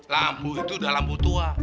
lampu itu udah lampu tua